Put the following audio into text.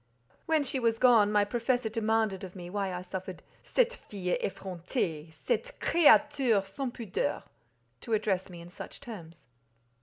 When she was gone, my professor demanded of me why I suffered "cette fille effrontée, cette créature sans pudeur," to address me in such terms.